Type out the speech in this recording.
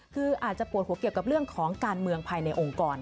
คืออาจจะปวดหัวเกี่ยวกับเรื่องของการเมืองภายในองค์กร